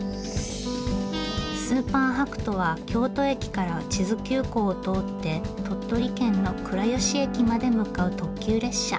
スーパーはくとは京都駅から智頭急行を通って鳥取県の倉吉駅まで向かう特急列車。